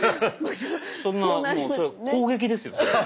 そんなもうそれは攻撃ですよね。